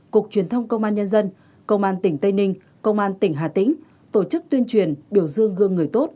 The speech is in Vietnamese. cục truyền thông công an nhân dân công an tỉnh tây ninh công an tỉnh hà tĩnh tổ chức tuyên truyền biểu dương gương người tốt